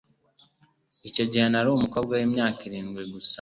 Icyo gihe nari umukobwa wimyaka irindwi gusa